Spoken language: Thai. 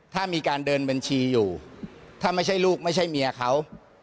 ถ้ามีการเดินบัญชีอยู่ถ้าไม่ใช่ลูกไม่ใช่เมียเขา